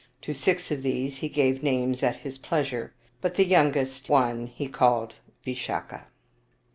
To six of these he gave names at his pleasure, but the youngest one he called Visakha.